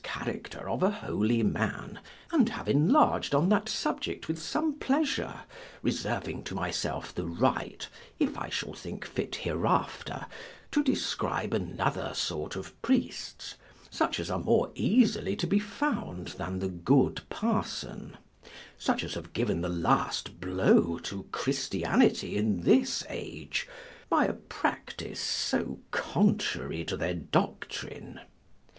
Yet my resentment has not wrought so far, but that I have followed Chaucer in his character of a holy man, and have enlarg'd on that subject with some pleasure, reserving to myself the right, if I shall think fit hereafter, to describe another sort of priests, such as are more easily to be found than the Good Parson; such as have given the last blow to Christianity in this age, by a practice so contrary to their doctrine.